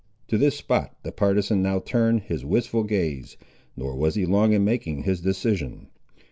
To this spot the partisan now turned his wistful gaze, nor was he long in making his decision.